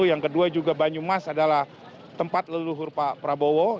yang kedua juga banyumas adalah tempat leluhur pak prabowo